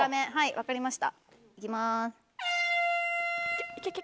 分かりました。